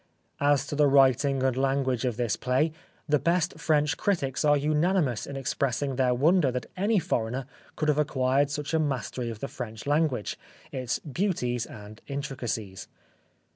As to the writing and language of this play, the best French critics are unanimous in expressing their wonder that any foreigner could have acquired such a mastery of the French language, its beauties and intricacies.